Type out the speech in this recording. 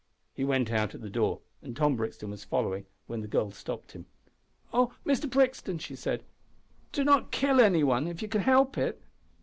He went out at the door, and Tom Brixton was following, when the girl stopped him. "Oh! Mr Brixton," she said, "do not kill any one, if you can help it."